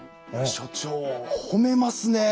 所長褒めますねえ。